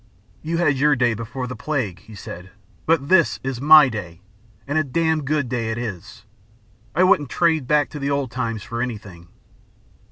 'You had your day before the plague,' he said; 'but this is my day, and a damned good day it is. I wouldn't trade back to the old times for anything.'